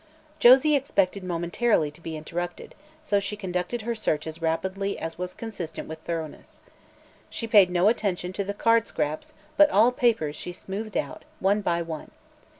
Josie expected momentarily to be interrupted, so she conducted her search as rapidly as was consistent with thoroughness. She paid no attention to the card scraps but all papers she smoothed out, one by one.